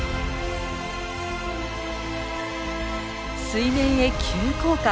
水面へ急降下。